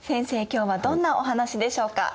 今日はどんなお話でしょうか？